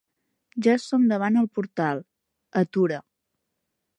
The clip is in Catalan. Ja som davant el portal: atura.